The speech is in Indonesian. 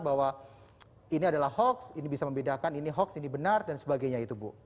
bahwa ini adalah hoax ini bisa membedakan ini hoax ini benar dan sebagainya itu bu